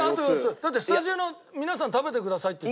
だってスタジオの皆さん食べてくださいって。